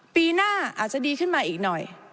ปีหน้าอาจจะดีขึ้นมาอีกหน่อย